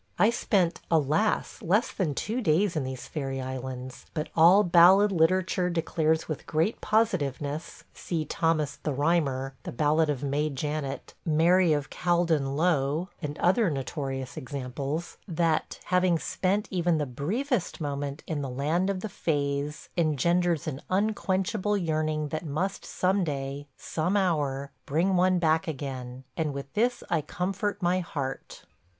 ... I spent, alas! less than two days in these fairy islands; but all ballad literature declares with great positiveness (see Thomas the Rhymer, the ballad of May Janet, Mary of Caldon Low, and other notorious examples) that, having spent even the briefest moment in the Land of the Fays engenders an unquenchable yearning that must some day, some hour, bring one back again – and with this I comfort my heart.